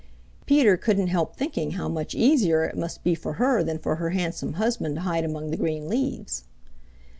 Peter couldn't help thinking how much easier it must be for her than for her handsome husband to hide among the green leaves.